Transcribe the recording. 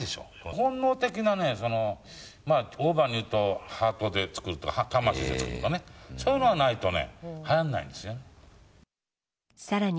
本能的なね、オーバーに言うと、ハートで作ると、魂で作るとかね、そうでないとね、はやんないんでさらに